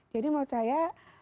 jadi menurut saya